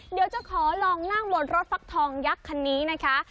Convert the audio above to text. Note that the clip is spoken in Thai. เดี๋ยวจะขอลองนั่งบนรถฟักทองยักษ์คันนี้นะคะ